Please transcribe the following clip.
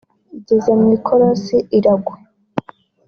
igeze mu ikorosi iragwa